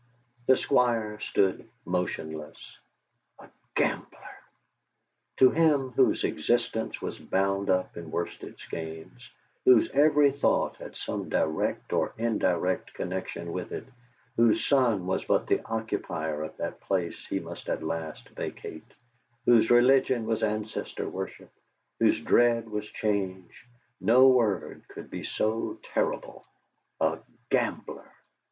The Squire stood motionless. A gambler! To him, whose existence was bound up in Worsted Skeynes, whose every thought had some direct or indirect connection with it, whose son was but the occupier of that place he must at last vacate, whose religion was ancestor worship, whose dread was change, no word could be so terrible. A gambler!